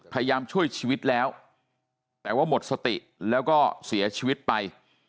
พยายามช่วยชีวิตแล้วแต่ว่าหมดสติแล้วก็เสียชีวิตไป